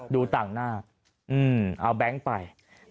ดูต่างหน้าเอาแบงค์ไป